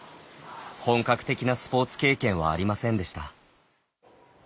本格的なスポーツ経験はありませんでした。